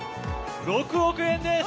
６億円です！